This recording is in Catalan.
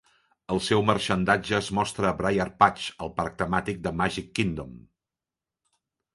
El seu marxandatge es mostra a Briar Patch, al parc temàtic de Magic Kingdom.